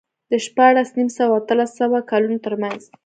د شپاړس نیم سوه او اتلس سوه کلونو ترمنځ